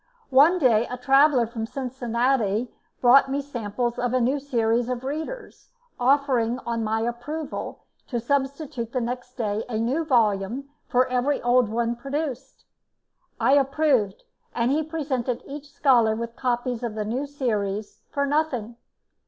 One day a traveller from Cincinnati brought me samples of a new series of "Readers," offering on my approval, to substitute next day a new volume for every old one produced. I approved, and he presented each scholar with copies of the new series for nothing.